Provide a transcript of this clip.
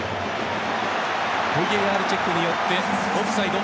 ＶＡＲチェックによってオフサイド。